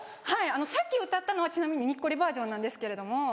はいさっき歌ったのはちなみににっこりバージョンなんですけれども。